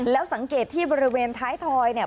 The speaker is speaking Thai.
แล้วสังเกตที่บริเวณท้ายทอยเนี่ย